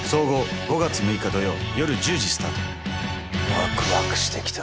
ワクワクしてきた。